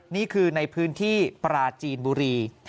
นี่คือในพื้นที่ปราจีนบุรี